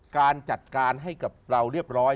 การจัดการให้กับเราเรียบร้อย